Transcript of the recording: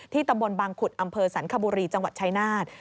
ตำบลบางขุดอำเภอสรรคบุรีจังหวัดชายนาฏ